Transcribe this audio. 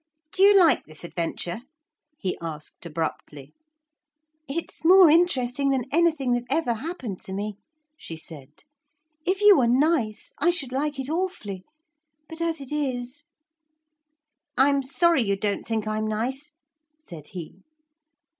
'Do you like this adventure?' he asked abruptly. 'It's more interesting than anything that ever happened to me,' she said. 'If you were nice I should like it awfully. But as it is ' 'I'm sorry you don't think I'm nice,' said he.